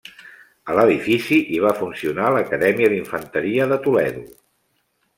A l'edifici hi va funcionar l'Acadèmia d'Infanteria de Toledo.